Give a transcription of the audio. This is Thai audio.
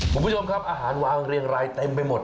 คุณผู้ชมครับอาหารวางเรียงรายเต็มไปหมด